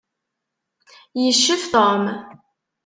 Yeccef Tom.